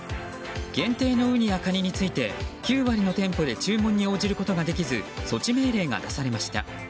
限定のウニについて９割の店舗で注文に応じることができず措置命令が出されました。